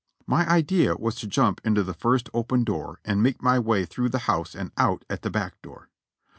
My idea was to jump into the lirst open door and make my way through the house and out at the back door.